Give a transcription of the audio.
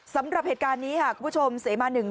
สำหรับเหตุการณ์นี้ค่ะคุณผู้ชมเสมาหนึ่ง